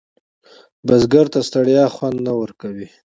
بزګر ته ستړیا خوند نه ورکوي